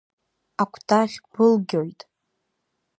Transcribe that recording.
Акәтаӷь былгьоит.